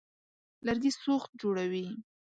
لرګي سوخت جوړوي.